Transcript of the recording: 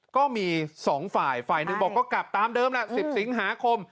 ก็มีสองไฟล์ไฟล์หนึ่งบอกก็กลับตามเดิมแล้ว๑๐สิงหาคม